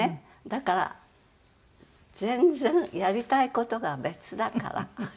だから全然やりたい事が別だから。